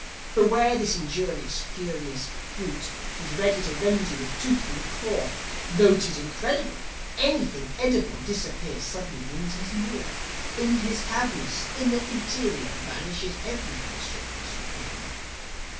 "Beware this injurious, furious brute; He's ready to rend you with tooth and with claw. Tho' 'tis incredible, Anything edible Disappears suddenly into his maw: Into his cavernous inner interior Vanishes evrything strictly superior."